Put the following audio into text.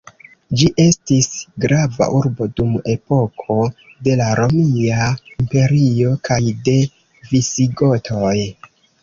Ĝi estis grava urbo dum epoko de la Romia Imperio kaj de visigotoj.